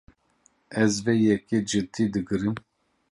Ez vê yekê cidî digirim.